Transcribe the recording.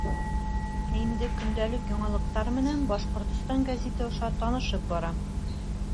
Ә инде көндәлек яңылыҡтар менән «Башҡортостан» гәзите аша танышып барам.